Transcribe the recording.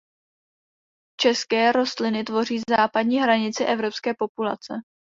České rostliny tvoří západní hranici evropské populace.